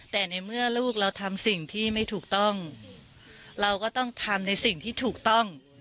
แต่ในเมื่อลูกเราทำสิ่งที่ไม่ถูกต้องเราก็ต้องทำในสิ่งที่ถูกต้อง